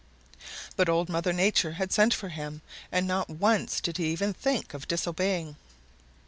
But Old Mother Nature had sent for him and not once did he even think of disobeying.